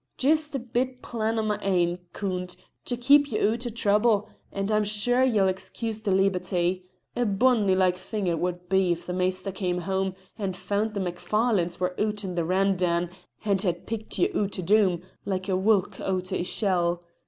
"Jist a bit plan o' my ain, Coont, to keep ye oot o' trouble, and I'm shair ye'll excuse the leeberty. A bonny like thing it wad be if the maister cam' hame and foun' the Macfarlanes wer oot on the ran dan and had picked ye oot o' Doom like a wulk oot o' its shell.